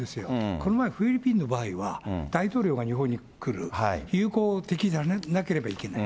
この前フィリピンの場合は、大統領が日本に来る、友好的でなければいけない。